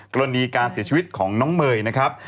กรณีการเสียชีวิตของน้องเมย์นะครับ